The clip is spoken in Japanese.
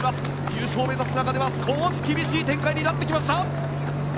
優勝を目指す中で少し厳しい展開になってきました。